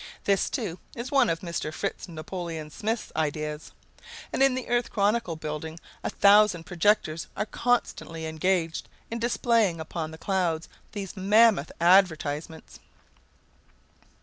This, too, is one of Mr. Fritz Napoleon Smith's ideas, and in the Earth Chronicle building a thousand projectors are constantly engaged in displaying upon the clouds these mammoth advertisements.